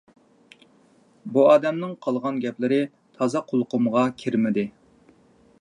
بۇ ئادەمنىڭ قالغان گەپلىرى تازا قۇلىقىمغا كىرمىدى.